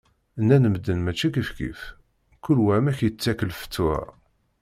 Nnan medden mačči kifkif, kul wa amek yettak lfetwa.